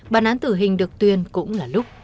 bản án tử hình được tuyên cũng là lúc